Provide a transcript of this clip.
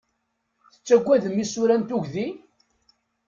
Tettagadem isura n tugdi?